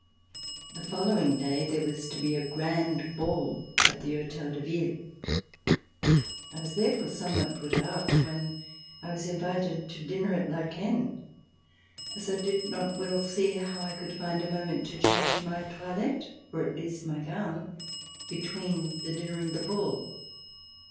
The following day there was to be a grand ball at the Hotel de Ville. I was therefore somewhat put out when I was invited to dinner at Laeken, as I did not well see how I could find a moment to change my toilette, or at least my gown, between the dinner and the ball.